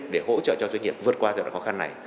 để hỗ trợ cho doanh nghiệp vượt qua giai đoạn khó khăn này